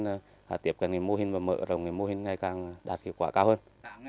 nên hạ tiếp các mô hình và mở rộng mô hình ngày càng đạt hiệu quả cao hơn